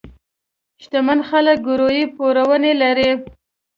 شتمن خلک ګروۍ پورونه لري.